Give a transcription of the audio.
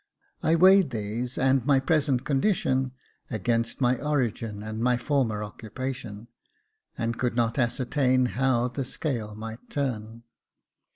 I weighed these, and my present condition, against my origin and my former occupation , and could not ascertain how the scale might turn.